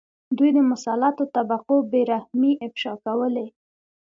دوی د مسلطو طبقو بې رحمۍ افشا کولې.